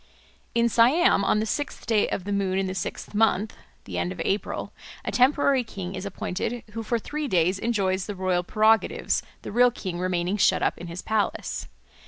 In Siam on the sixth day of the moon in the sixth month (the end of April) a temporary king is appointed, who for three days enjoys the royal prerogatives, the real king remaining shut up in his palace.